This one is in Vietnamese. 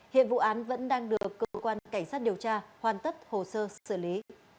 hiện vụ án vẫn đang được cơ quan cảnh sát điều tra hoàn tất hồ sơ xử lý